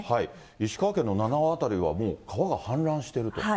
石川県の七尾辺りはもう川が氾濫していると。